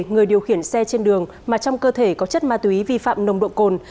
người điều khiển xe trên đường mà trong cơ thể có chất ma túy vi phạm nồng độ cồn